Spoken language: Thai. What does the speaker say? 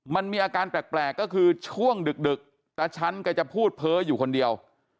มันมีอาการแปลกก็คือช่วงดึกตาชั้นแกจะพูดเพ้ออยู่คนเดียว